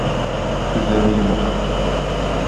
Күзләре йомык.